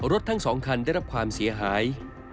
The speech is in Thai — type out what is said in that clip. รถทั้ง๒คันได้รับความเสียหาย